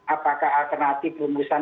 apakah alternatif rumusan